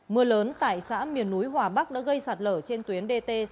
mưa lớn tại xã miền núi hòa bắc đã gây sạt lở trên tuyến dt sáu trăm linh một